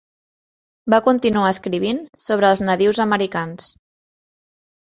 Va continuar escrivint sobre els nadius americans.